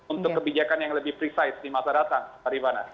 untuk kebijakan yang lebih precise di masyarakat pak rivana